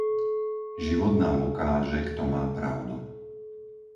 Život nám ukáže, kto má pravdu.